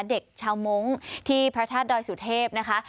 เด็กชาวมงค์ที่พระธาตุดอยสุเทพนะคะ